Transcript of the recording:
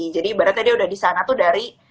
jadi ibaratnya dia udah disana tuh dari